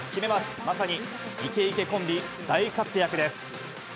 まさにイケイケコンビ大活躍です。